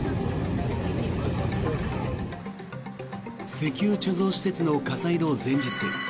石油貯蔵施設の火災の前日